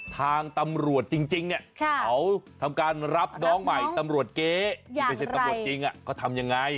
ทางตำรวจจริงเนี่ยเขาทำการรับน้องใหม่ตำรวจเก๊ไม่ใช่ตำรวจจริงเขาทำยังไง